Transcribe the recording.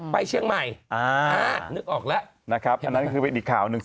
ไปเชียงไม่